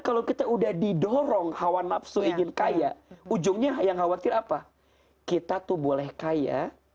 kalau kita udah didorong hawa nafsu ingin kaya ujungnya yang khawatir apa kita tuh boleh kaya